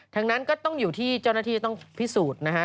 ทั้งนั้นก็ต้องอยู่ที่เจ้าหน้าที่ต้องพิสูจน์นะฮะ